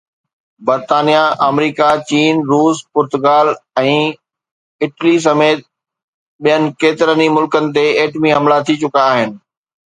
برطانيا، آمريڪا، چين، روس، پرتگال ۽ اٽلي سميت ٻين ڪيترن ئي ملڪن تي ايٽمي حملا ٿي چڪا آهن.